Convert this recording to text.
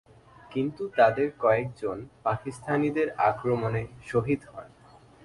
কিন্তু তাদের কয়েকজন পাকিস্তানিদের আক্রমণে শহীদ হন।